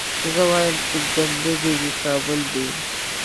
زه وايم چي کند دي وي کابل دي وي